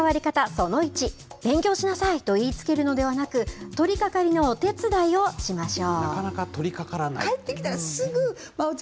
その１、勉強しなさいと言いつけるのではなく、取りかかりのお手伝いをしましょう。